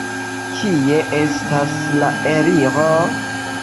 Kie estas la eliro?